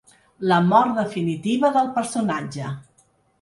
La mort definitiva del personatge.